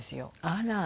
あら！